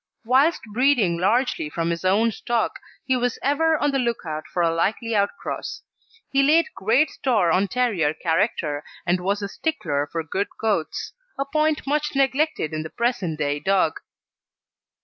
Whilst breeding largely from his own stock, he was ever on the look out for a likely outcross. He laid great store on terrier character, and was a stickler for good coats; a point much neglected in the present day dog.